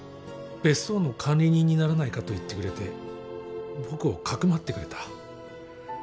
別荘の管理人にならないかと言ってくれて僕をかくまってくれた。